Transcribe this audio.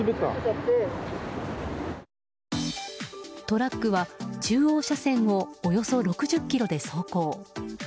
トラックは中央車線をおよそ６０キロで走行。